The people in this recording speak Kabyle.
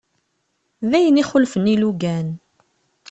D ayen ixulfen ilugan.